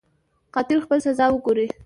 قاتل خپله سزا وګوري.